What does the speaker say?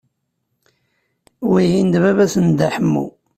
Wihin d baba-s n Dda Ḥemmu.